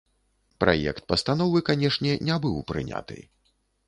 Праект пастановы, канешне, не быў прыняты.